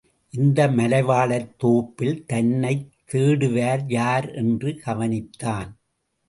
இந்த மலைவாழைத் தோப்பில் தன்னைத் தேடுவார் யார் என்று கவனித்தான்.